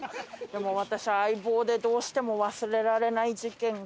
でも私『相棒』でどうしても忘れられない事件があって。